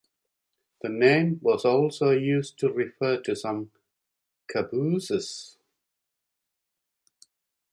The name was also used to refer to some cabooses.